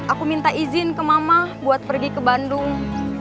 aku minta izin ke mama buat pergi ke bandung